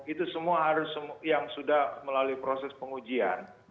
itu semua harus yang sudah melalui proses pengujian